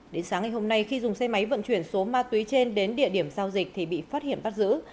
đến sáng ngày hôm nay khi dùng xe máy vận chuyển số ma túy trên đến địa điểm giao dịch thì bị phát hiện bắt giữ